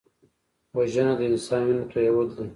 وژنه د انسان وینه تویول دي